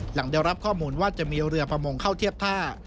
หลังได้รับข้อมูลว่าจะมีเรือประมงเข้าเทียบท่า